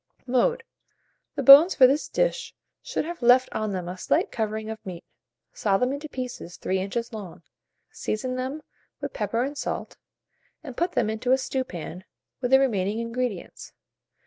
Mode. The bones for this dish should have left on them a slight covering of meat; saw them into pieces 3 inches long; season them with pepper and salt, and put them into a stewpan with the remaining ingredients.